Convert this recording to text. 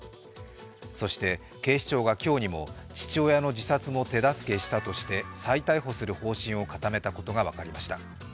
そして警視庁が今日にも父親の自殺も手助けしたとして再逮捕する方針を固めたことが分かりました。